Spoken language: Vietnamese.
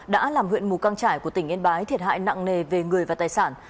đã làm huyện mù căng trải của tỉnh yên bái thiệt hại nặng nề về người và tài sản